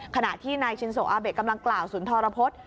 ขณะที่นายชินโซอาเบะกำลังกล่าวสุนทรพฤษ